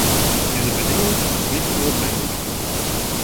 Diese Bedingung ist nicht notwendig.